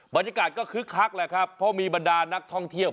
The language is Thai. บรรยากาศก็คึกคักแหละครับเพราะมีบรรดานักท่องเที่ยว